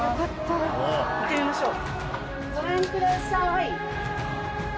行ってみましょう。